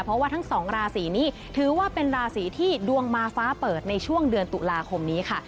เพราะว่าทั้งสองราศีนี้ถือว่าเป็นราศีที่ดวงมาฟ้าเปิดในช่วงเดือนตุลาคมนี้ค่ะ